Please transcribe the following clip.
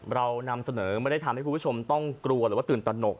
เรานำเสนอไม่ได้ทำให้คุณผู้ชมต้องกลัวหรือว่าตื่นตนก